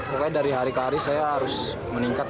pokoknya dari hari ke hari saya harus meningkat